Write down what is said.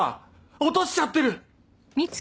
落としちゃってる